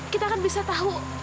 kita kan bisa tahu